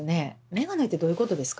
目がないってどういうことですか？